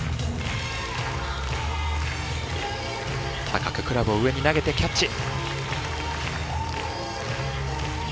高くクラブを上に投げてキャッチ。